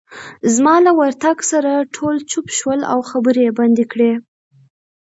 زما له ورتګ سره ټول چوپ شول، او خبرې يې بندې کړې.